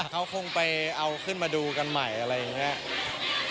เขาคงไปเอาขึ้นมาดูกันใหม่อะไรอย่างนี้